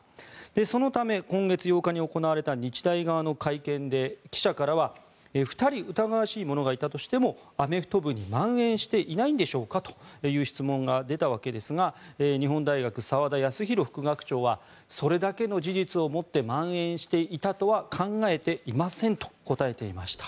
そのため、今月８日に行われた日大側の会見で記者からは２人疑わしい者がいたとしてもアメフト部にまん延していないんでしょうかという質問が出たわけですが日本大学、澤田康広副学長はそれだけの事実をもってまん延していたとは考えていませんと答えていました。